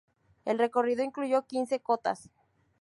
El recorrido incluyó quince cotas.